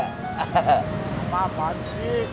gak apa apa cik